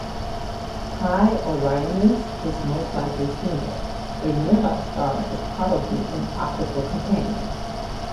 Pi Orionis is most likely single; a nearby star is probably an optical companion.